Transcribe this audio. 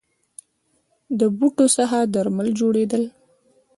د بوټو څخه درمل جوړیدل